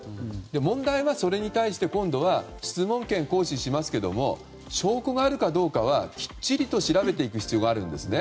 問題はそれに対して今度は質問権を行使しますが証拠があるかどうかはきっちりと調べていく必要があるんですね。